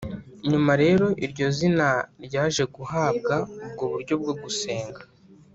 nyuma rero iryo zina ryaje guhabwa ubwo buryo bwo gusenga